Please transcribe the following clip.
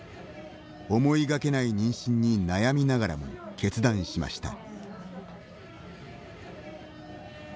思いがけない妊娠に悩みながらも決断しました。